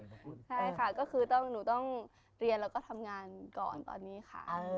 ใช่ค่ะก็คือหนูต้องเรียนแล้วก็ทำงานก่อนตอนนี้ค่ะ